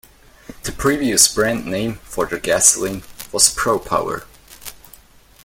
The previous brand name for their gasoline was Propower.